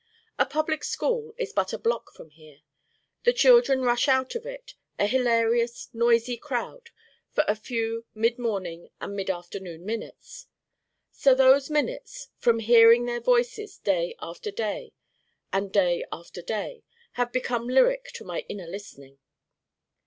A public school is but a block from here. The children rush out of it, a hilarious noisy crowd, for a few mid morning and mid afternoon minutes. So those minutes, from hearing their Voices day after day, and day after day, have become lyric to my inner listening.